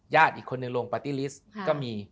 อีกคนหนึ่งโรงปาร์ตี้ลิสต์ก็มี